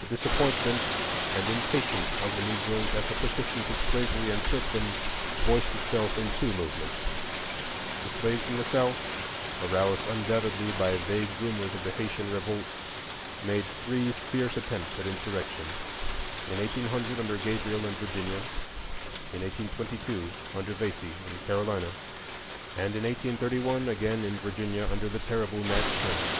The disappointment and impatience of the Negroes at the persistence of slavery and serfdom voiced itself in two movements. The slaves in the South, aroused undoubtedly by vague rumors of the Haytian revolt, made three fierce attempts at insurrection,—in 1800 under Gabriel in Virginia, in 1822 under Vesey in Carolina, and in 1831 again in Virginia under the terrible Nat Turner.